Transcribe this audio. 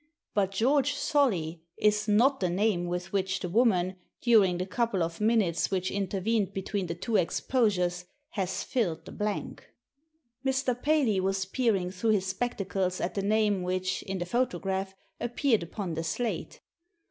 But * George Solly' is not the name with which the woman, during the couple of minutes which intervened between the two exposures, has filled the blank." Mr. Paley was peering through his spectacles at the name which, in the photograph, appeared upon the slate.